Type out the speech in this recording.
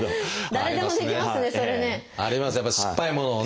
ありますねやっぱ酸っぱいものをね。